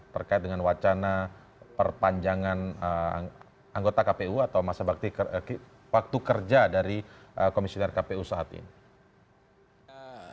terkait dengan wacana perpanjangan anggota kpu atau waktu kerja dari komisioner kpu saat ini